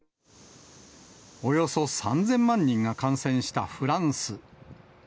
およそ３０００万人が感染したフランス。